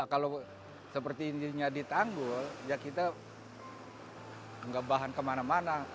kalau sepertinya ditanggul ya kita nggak bahan kemana mana